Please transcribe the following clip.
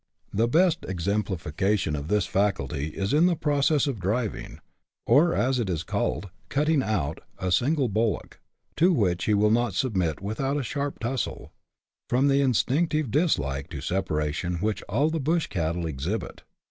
The best exemplification of this faculty is in the process of driving, or, as it is called, "cutting out" a single bullock, to which he will not submit without a sliarp tussle, from the instinctive dislike to separation which all the bush cattle exhibit.